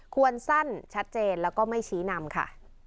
ควรสั้นชัดเจนแล้วก็ไม่ชี้นำค่ะ